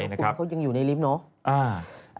พวกเขายังอยู่ในลิฟท์